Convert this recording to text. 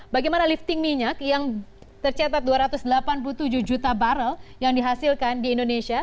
bagaimana lifting minyak yang tercatat dua ratus delapan puluh tujuh juta barrel yang dihasilkan di indonesia